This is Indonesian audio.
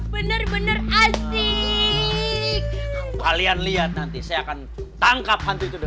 bener bener asyik kalian lihat nanti saya akan tangkap